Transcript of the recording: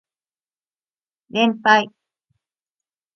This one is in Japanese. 連敗